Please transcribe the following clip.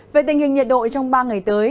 về tình hình nhiệt độ trong ba ngày tới